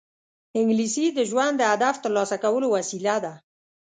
انګلیسي د ژوند د هدف ترلاسه کولو وسیله ده